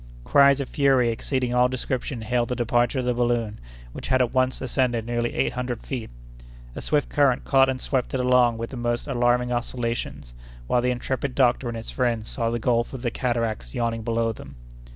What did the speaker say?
Cries of fury exceeding all description hailed the departure of the balloon, which had at once ascended nearly eight hundred feet. A swift current caught and swept it along with the most alarming oscillations, while the intrepid doctor and his friends saw the gulf of the cataracts yawning below them.